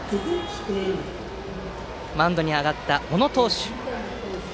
マウンドに上がった小野投手。